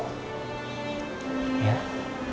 tolong perhatiin dia sekarang